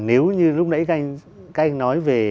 nếu như lúc nãy các anh nói về